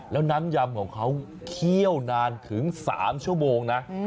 แล้วน้ำยำของเขาเคี่ยวนานถึง๓ชั่วโมงนะ